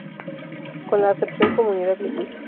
Con la acepción "comunidad lingüística".